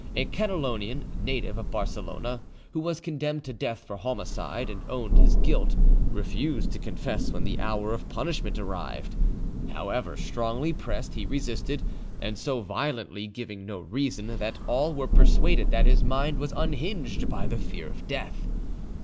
A Catalonian, native of Barcelona, who was condemned to death for homicide and owned his guilt, refused to confess when the hour of punishment arrived. However strongly pressed, he resisted, and so violently, giving no reason, that all were persuaded that his mind was unhinged by the fear of death.